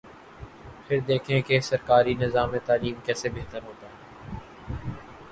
پھر دیکھیں کہ سرکاری نظام تعلیم کیسے بہتر ہوتا ہے۔